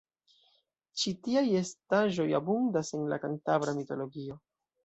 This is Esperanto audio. Ĉi tiaj estaĵoj abundas en la kantabra mitologio.